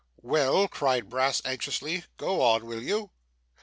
'Well,' cried Brass anxiously. 'Go on, will you!